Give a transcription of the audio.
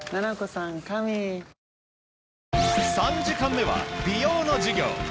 ３時間目は美容の授業。